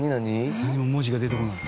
何も文字が出てこない。